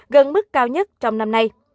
gần mức cao nhất trong năm nay